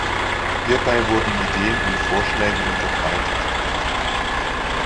Hierbei wurden Ideen und Vorschläge unterbreitet.